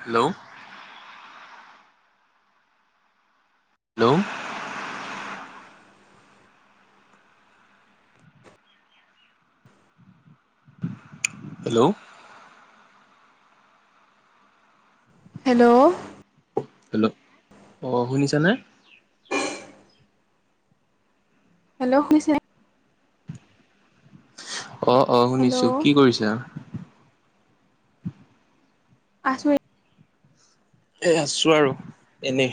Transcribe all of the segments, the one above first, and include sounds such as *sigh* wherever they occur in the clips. Hello hello hello hello hello অ শুনিছানে hello শুনিছেনে অ অ হেল্ল' শুনিছো কি কৰিছা আছো এ এ আছো আৰু এনে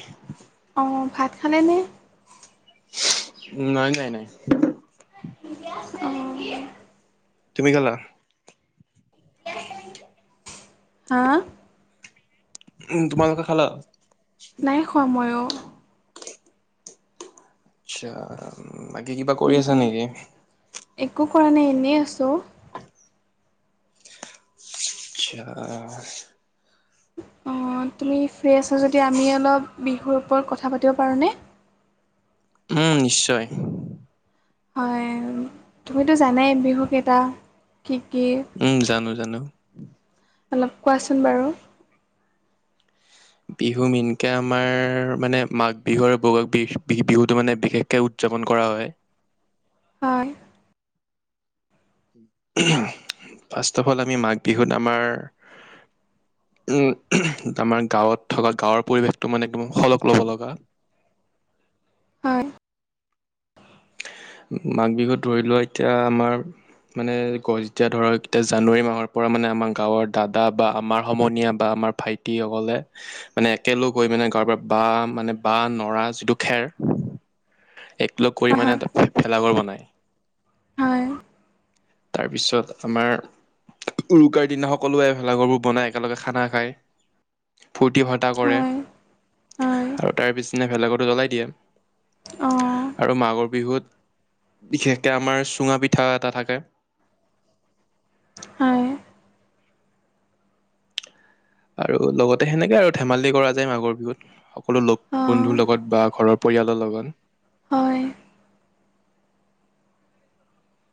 অ ভাত খালেনে উ নাই নাই নাই ঠিকে আছে নেকি অ তুমি খালা হা উম তোমালোকে খালা এ সময়ো আচ্ছা বাকী কিবা কৰি আছা নিকি একো কৰা নাই এনে আছোঁ আচ্ছা অঁ তুমি ফ্ৰি আছা যদি আমি অলপ বিহুৰ ওপৰত কথা পাতিব পাৰোঁনে উম নিশ্চয় হয় তুমিতো জানাই বিহু কেইটা কি কি উম জানো জানো অলপ কোৱাচোন বাৰু বিহু মেইনকে আমাৰ মানে মাঘ বিহু আৰু বহাগ বিহ বিহুটো মানে বিশেষকে উ উদযাপন কৰা হয় হয় ফাষ্ট ত হল আমি মাঘ বিহুত আমাৰ আমাৰ গাঁৱত থকা গাঁৱৰ পৰিৱেশটো মানে একদম শলগ ল'ব লগা হয় মাঘ বিহুত ধৰি লোৱা এতিয়া আমাৰ মানে গৈ যেতিয়া ধৰা যেতিয়া জানুৱাৰী মাহৰ পৰা মানে আমাৰ গাঁৱৰ দাদা বা আমাৰ সমনীয়া বা আমাৰ ভাইটিসকলে মানে একেলগ হৈ মানে গাঁৱৰ পা বাঁহ মানে বাঁহ নৰা যিটো খেৰ একলগ কৰি হয় মানে এটা ভে ভেলাঘৰ বনায় হয় তাৰপিছত আমাৰ উৰুকাৰ দিনা সকলোৱে ভেলাঘৰবোৰ বনায় একেলগে খানা খায় ফূুৰ্তি ফাৰ্টা কৰে হয় হয় হয় আৰু তাৰ পিছদিনা ভেলাঘৰটো জ্বলাই দিয়ে অঁ আৰু মাঘৰ বিহুত বিশেষকে আমাৰ চুঙা পিঠা এটা থাকে হয় আৰু লগতে সেনেকে আৰু ধেমালি কৰা যায় মাঘৰ বিহুত সকলো লগ অঁ বন্ধুৰ লগত বা ঘৰৰ পৰিয়ালৰ লগত হয়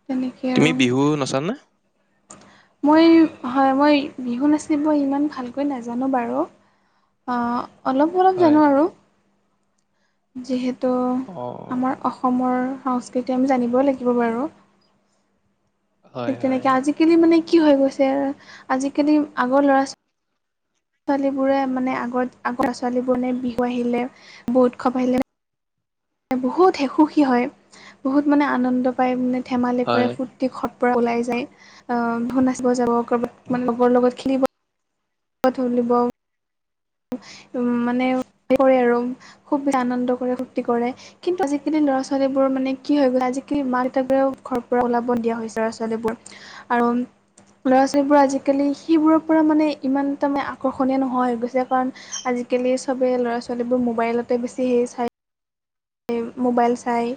তেনেকৈ তুমি আৰু বিহু নাচানে মই হয় মই বিহু নাচিব ইমান ভালকৈ নাজানো বাৰু অ অলপ অলপ হয় জানো আৰু যিহেতু অ আমাৰ অসমৰ সংস্কৃতি আমি জানিবই লাগিব বাৰু হয় হয় তেনেকে আজিকালি মানে কি হৈ গৈছে আজিকালি আগৰ ল'ৰা ছোৱালী বোৰে মানে আগত আগৰ ছোৱালী বোৰ নে বিহু আহিলে বহু উৎসৱ আহিলে বহুত হে সুখী হয় বহুত মানে আনন্দ পায় মানে ধেমালি হয় কৰে ফুৰ্ত ৰাতি ঘৰৰ পৰা ওলাই যায় অ বিহু নাচিব যাব কবাত মানে লগৰ লগত খেলিব বা থলিব উম মানে হেই কৰে আৰু খুব আনন্দ কৰে ফূৰ্তি কৰে কিন্তু আজিকালি ল'ৰা ছোৱালীবোৰ মানে কি হৈ গ'ল আজিকালি মা দেউতাকবোৰেও ঘৰৰ পৰা ওলাব নিদিয়া হৈছে ল'ৰা ছোৱালীবোৰ আৰুম ল'ৰা ছোৱালীবোৰ আজিকালি সেইবোৰৰ পৰা মানে ইমান তাৰমানে আকৰ্ষণীয় নোহোৱা হৈ গৈছে কাৰণ আজিকালি চবে ল'ৰা ছোৱালীবোৰ মোবাইলতে বেছি হেৰি চাই ম'বাইল চাই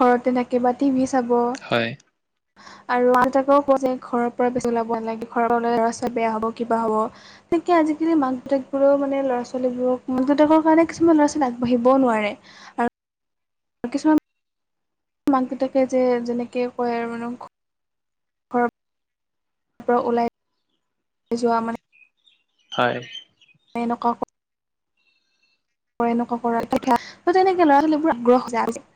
ঘৰতে থাকি বা টিভি চাব হয় আৰু মাক দেউতাকেও ক'ব যে ঘৰৰ পৰা বেছি ওলাব নালাগে ঘৰৰ লৰা ছোৱালী বেয়া হ'ব কিবা হ'ব বিশেষকে আজিকালি মাক দেউতাকৰো মানে ল'ৰা ছোৱালীবোৰক মাক দেউতাকৰ কাৰণে কিছুমান ল'ৰা ছোৱালী আগবাঢ়িবও নোৱাৰে। *inaudible* আৰু কিছুমান *unintelligible* কিছুমান মাক দেউতাকে যে যেনেকে কয় আৰু মানে ঘৰত পৰা ওলাই যোৱা মানে হয়। এনেকুৱা কৰে এনেকুৱা কৰে ত *unintelligible* তেনেকে ল'ৰা ছোৱালীবোৰ আগ্ৰহ যাৰ আছে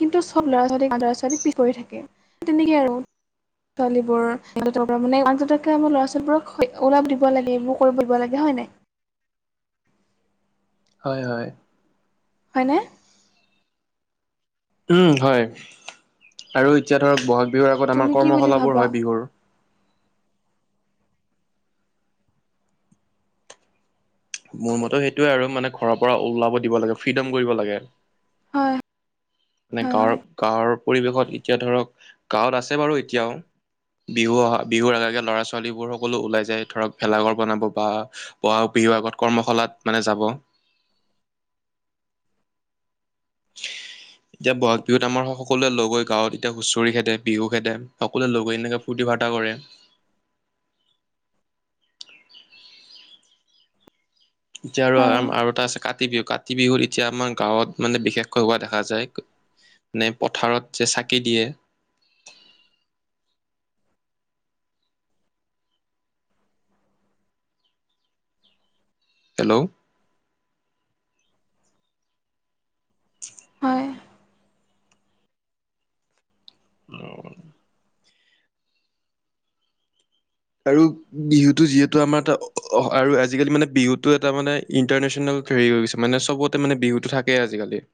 কিন্তু চব ল'ৰা ছোৱালী ল'ৰা ছোৱালী পিছ পৰি থাকে তেনেকেই আৰু। ছোৱালীবোৰ সিহঁত *unintelligible* মানে মাক দেউতাকে ল'ৰা ছোৱালীবোৰক ওলাব দিব লাগে এইবোৰ কৰিব দিব লাগে হয় নাই। হয়, হয়। হয়নে। উম হয় আৰু এতিয়া ধৰক ব'হাগ বিহুৰ আগত তুমি আমাৰ কি বুলি কৰ্মশালাবোৰ ভাবা হয় বিহুৰ। মোৰ মতে সেইটোৱে আৰু মানে ঘৰৰ পৰা ওলাব দিব লাগে ফ্ৰীডম কৰিব লাগে। হয়। মানে হয় গাঁৱৰ গাঁৱৰ পৰিৱেশত এতিয়া ধৰক গাঁৱত আছে বাৰু এতিয়াও বিহু অহা বিহুৰ আগে ল'ৰা ছোৱালীবোৰ সকলো ওলাই যায় ধৰক ভেলাঘৰ বনাব বা বহাগ বিহুৰ আগত কৰ্মশালাত মানে যাব। *unintelligible* এতিয়া ব'হাগ বিহুত আমাৰ সকলোৱে লগ হৈ গাঁৱত এতিয়া হুঁচৰি খেদে বিহু খেদে সকলোৱে লগ হৈ এনেকে ফূৰ্তি ফাৰ্তা কৰে। এতিয়া আৰু হয় আৰু এটা আছে কাতি বিহু কাতি বিহুত এতিয়া আমাৰ গাঁৱত মানে বিশেষকৈ হোৱা দেখা যায়। নে পথাৰত যে চাকি দিয়ে। হেল্ল'। হয়। অ'। আৰু বিহুটো যিহেতু আমাৰ এটা আৰু আজিকালি মানে বিহুটো এটা মানে ইণ্টাৰনেশ্যনেল হেৰি হৈ গৈছে মানে চবতে মানে বিহুটো থাকেই আজিকালি।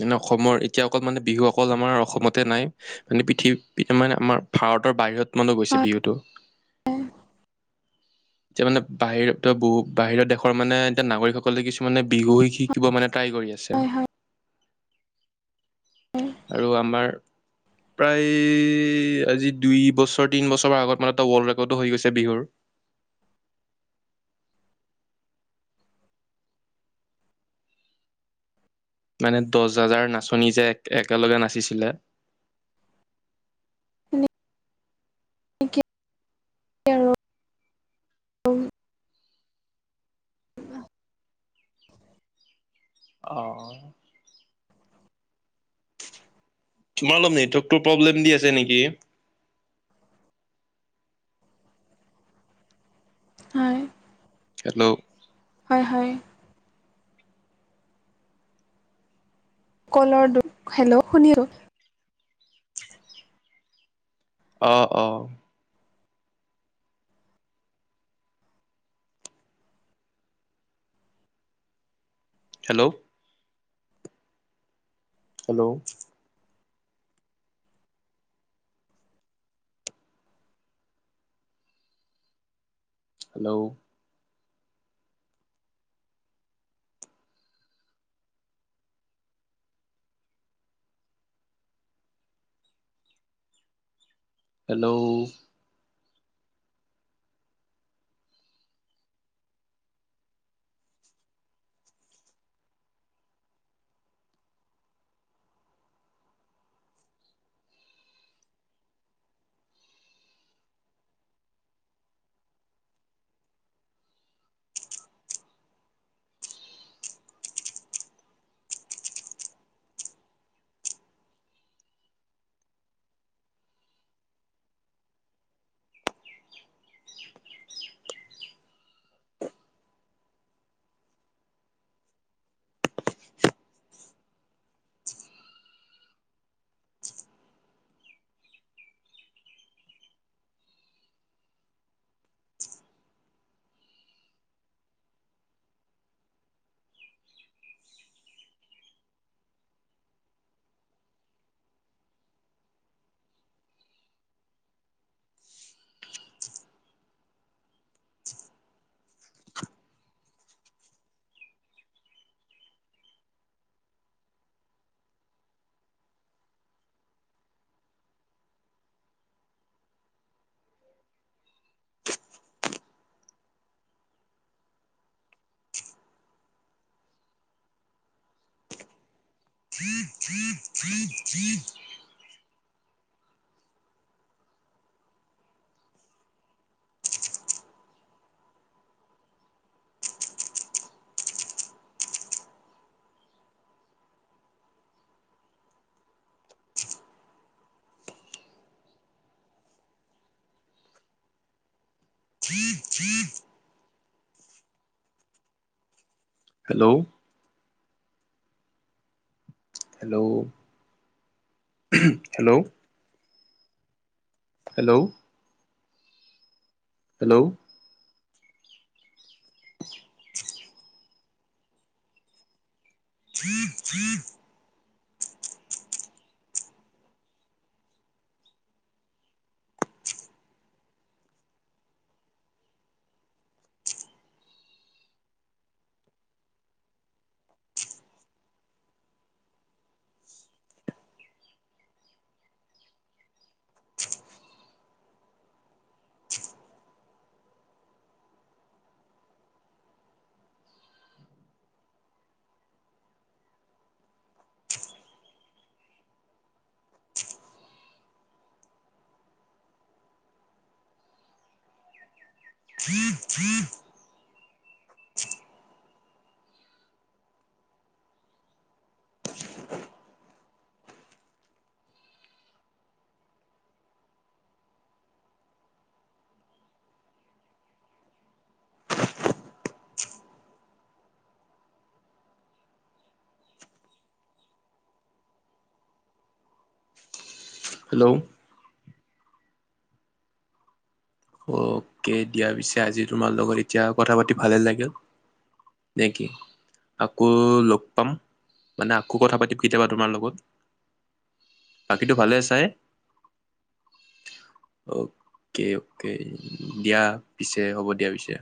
যেনে অসমৰ এতিয়া অকল মানে বিহু অকল আমাৰ অসমতে নাই। মানে পৃথিৱী মানে আমাৰ ভাৰতৰ বাহিৰত মানো গৈছে বিহুটো। *inaudible* হয় এতিয়া মানে বাহিৰত ত বহু বাহিৰৰ দেশৰ মানে এতিয়া নাগৰিকসকলে কিছুমানে বিহু শিকি শিকিব মানে ট্ৰাই কৰি আছে হয় হয় আৰু আমাৰ প্ৰায় আজি দুই বছৰ তিন বছৰ ৰ আগত মানে এটা ৱল্ড ৰেকৰ্ডো হৈ গৈছে বিহুৰ। মানে দহ হাজাৰ নাচনী যে এক একেলগে নাচিছিলে ে *unintelligible* আৰু অ'। তোমাৰ অলপ নেটৱৰ্কটো প্ৰব্লেম দি আছে নেকি। হয়। হেল্ল'। হয়, হয়। কলৰ দোষ হেল্ল' শুনি *unintelligible* অ অ hello hello hello hello *unintelligible* hello hello hello hello hello *inaudible* *unintelligible* *unintelligible* hello okay দিয়া পিছে আজি তোমাৰ লগত এতিয়া কথা পাতি ভালে লাগিল নেকি আকৌ লগ পাম মানে আকৌ কথা পাতিম কেতিয়াবা তোমাৰ লগত বাকীটো ভালে আছাই অ'কে তেই দিয়া পিছে হ'ব দিয়া পিছে